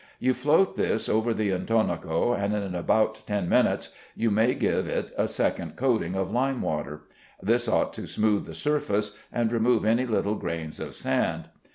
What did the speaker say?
You float this over the intonaco, and in about ten minutes you may give it a second coating of lime water. This ought to smooth the surface, and remove any little grains of sand.